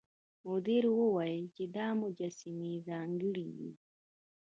مدیر وویل چې دا مجسمې ځانګړې وې.